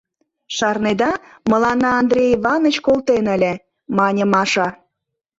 Шарнеда, мыланна Андрей Иваныч колтен ыле, — мане Маша.